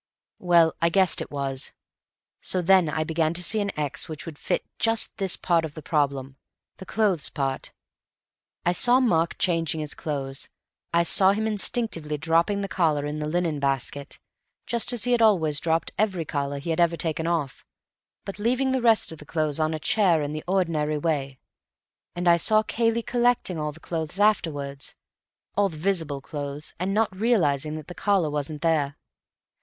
"Well, I guessed it was. So then I began to see an x which would fit just this part of the problem—the clothes part. I saw Mark changing his clothes; I saw him instinctively dropping the collar in the linen basket, just as he had always dropped every collar he had ever taken off, but leaving the rest of the clothes on a chair in the ordinary way; and I saw Cayley collecting all the clothes afterwards—all the visible clothes—and not realizing that the collar wasn't there."